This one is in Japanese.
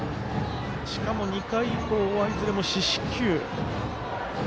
しかも２回以降はいずれも四死球。